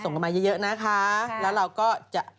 สวัสดีค่าข้าวใส่ไข่